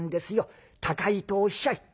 高いとおっしゃい」。